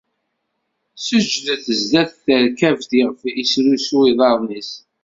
Seǧǧdet sdat terkabt iɣef isrusu iḍarren-is.